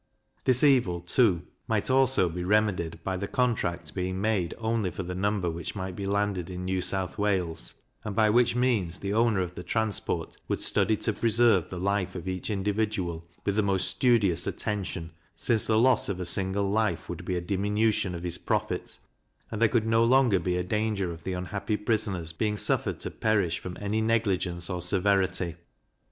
This evil, too, might also be remedied by the contract being made only for the number which might be landed in New South Wales, and by which means the owner of the transport would study to preserve the life of each individual with the most studious attention, since the loss of a single life would be a diminution of his profit, and there could no longer be a danger of the unhappy prisoners being suffered to perish from any negligence or severity.